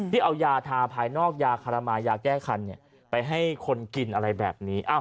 เอายาทาภายนอกยาคารามายาแก้คันไปให้คนกินอะไรแบบนี้